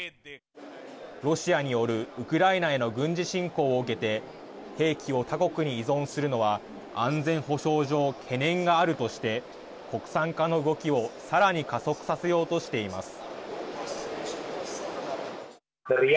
ロシアによるウクライナへの軍事侵攻を受けて兵器を他国に依存するのは安全保障上、懸念があるとして国産化の動きをさらに加速させようとしています。